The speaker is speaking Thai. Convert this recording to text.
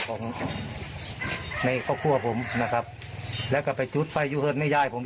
ของในเข้าครัวผมนะครับแล้วก็ไปจุดไปยูเฮิร์ดมีย่ายผม